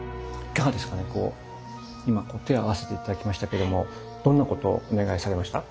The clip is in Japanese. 今こう手を合わせて頂きましたけどもどんなことをお願いされました？